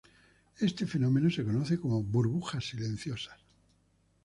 Este fenómeno se conoce como "burbujas silenciosas".